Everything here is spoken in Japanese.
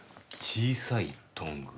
小さいトング。